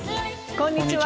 こんにちは。